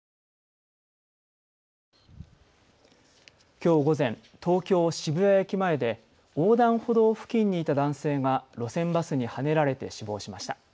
きょう午前、東京渋谷駅前で横断歩道付近にいた男性が路線バスにはねられて死亡しました。